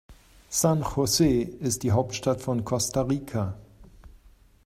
San José ist die Hauptstadt von Costa Rica.